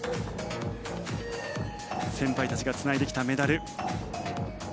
先輩たちがつないできたメダル。